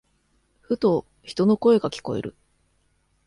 ふと、人の声が聞こえる。